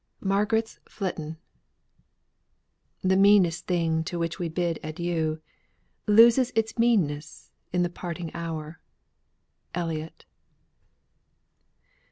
MARGARET'S FLITTIN'. "The meanest thing to which we bid adieu, Loses its meanness in the parting hour." ELLIOTT.